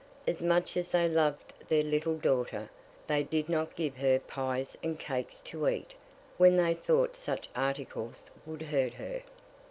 As much as they loved their little daughter, they did not give her pies and cakes to eat when they thought such articles would hurt her.